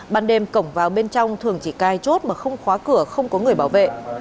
ban đêm cổng vào bên trong thường chỉ cai chốt mà không khóa cửa không có người bảo vệ